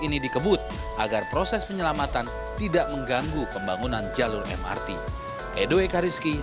ini dikebut agar proses penyelamatan tidak mengganggu pembangunan jalur mrt edo ekariski